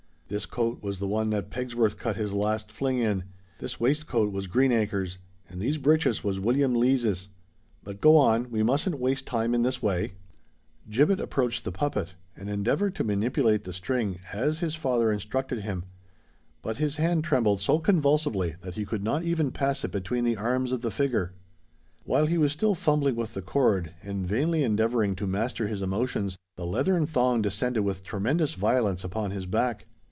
This coat was the one that Pegsworth cut his last fling in: this waistcoat was Greenacre's; and these breeches was William Lees's. But go on—we mustn't waste time in this way." Gibbet approached the puppet, and endeavoured to manipulate the string as his father instructed him; but his hand trembled so convulsively that he could not even pass it between the arms of the figure. While he was still fumbling with the cord, and vainly endeavouring to master his emotions, the leathern thong descended with tremendous violence upon his back.